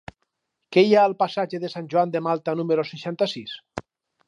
Què hi ha al passatge de Sant Joan de Malta número seixanta-sis?